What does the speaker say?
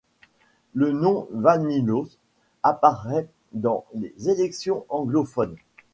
Le nom Vanilos n'apparaît pas dans les éditions anglophones.